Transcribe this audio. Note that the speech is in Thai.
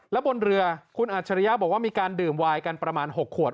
แล้วบนเรือคุณอัจฉริยะบอกว่ามีการดื่มวายกันประมาณ๖ขวด